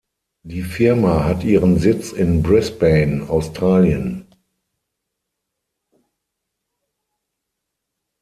Die Firma hat ihren Sitz in Brisbane, Australien.